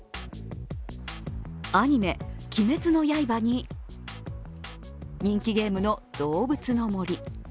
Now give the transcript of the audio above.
アニメ「鬼滅の刃」に人気ゲームの「どうぶつの森」